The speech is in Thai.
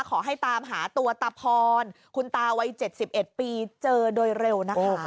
ขอให้ตามหาตัวตาพรคุณตาวัย๗๑ปีเจอโดยเร็วนะคะ